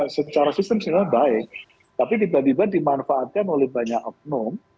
secara sistem sebenarnya baik tapi tiba tiba dimanfaatkan oleh banyak oknum